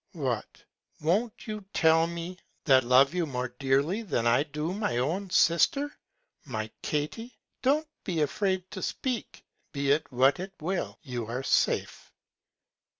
What, won't you tell it me, that love you more dearly than I do my own Sister: My Katy, don't be afraid to speak; be it what it will you are safe.